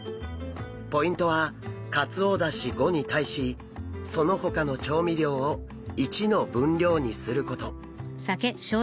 ポイントはカツオだし５に対しそのほかの調味料を１の分量にすること。